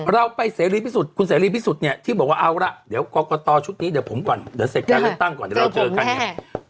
เราไปเสรีพิสุทธิ์คุณเสรีพิสุทธิ์เนี่ยที่บอกว่าเอาล่ะเดี๋ยวกรกตชุดนี้เดี๋ยวผมก่อนเดี๋ยวเสร็จการเลือกตั้งก่อนเดี๋ยวเราเจอกันเนี่ย